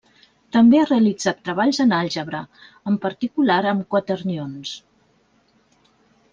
També ha realitzat treballs en àlgebra, en particular amb quaternions.